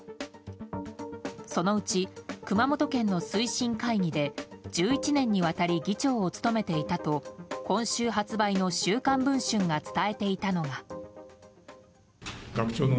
そのうち、熊本県の推進会議で１１年にわたり議長を務めていたと今週発売の「週刊文春」が伝えていたのが。